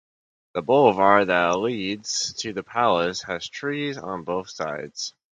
The boulevard that leads to the palace has trees on both sides.